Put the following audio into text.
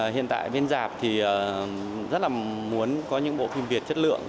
hiện tại bên dạp thì rất là muốn có những bộ phim việt chất lượng